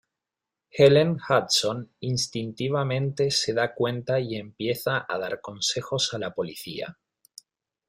Helen Hudson instintivamente se da cuenta y empieza a dar consejos a la policía.